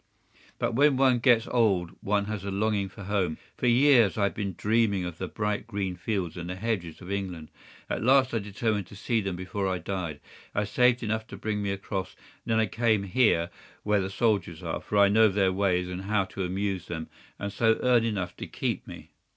"But when one gets old one has a longing for home. For years I've been dreaming of the bright green fields and the hedges of England. At last I determined to see them before I died. I saved enough to bring me across, and then I came here where the soldiers are, for I know their ways and how to amuse them and so earn enough to keep me."